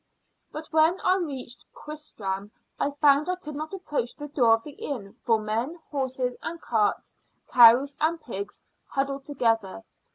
But when I reached Quistram I found I could not approach the door of the inn for men, horses, and carts, cows, and pigs huddled together.